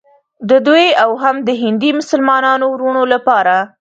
د دوی او هم د هندي مسلمانانو وروڼو لپاره.